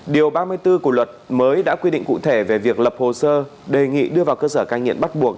điều ba mươi bốn của luật mới đã quy định cụ thể về việc lập hồ sơ đề nghị đưa vào cơ sở cai nghiện bắt buộc